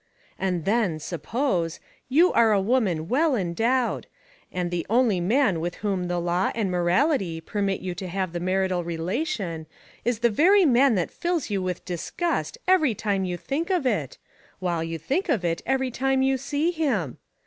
And then, suppose: You are a woman well endowed, And the only man with whom the law and morality Permit you to have the marital relation Is the very man that fills you with disgust Every time you think of it while you think of it Every time you see him?